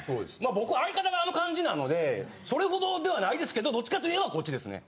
僕相方があの感じなのでそれほどではないですけどどっちかといえばこっちですね。